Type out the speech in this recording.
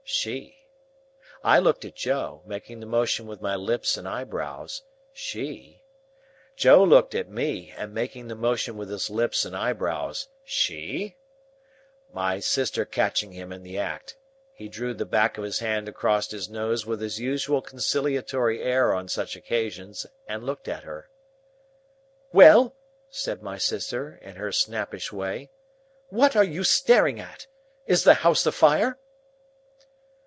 She? I looked at Joe, making the motion with my lips and eyebrows, "She?" Joe looked at me, making the motion with his lips and eyebrows, "She?" My sister catching him in the act, he drew the back of his hand across his nose with his usual conciliatory air on such occasions, and looked at her. "Well?" said my sister, in her snappish way. "What are you staring at? Is the house afire?"